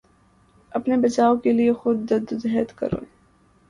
اپنے بچاؤ کے لیے خود جدوجہد کریں